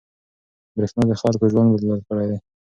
برېښنا د خلکو ژوند بدل کړی دی.